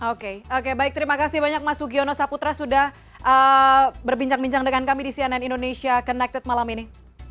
oke oke baik terima kasih banyak mas sugiono saputra sudah berbincang bincang dengan kami di cnn indonesia connected malam ini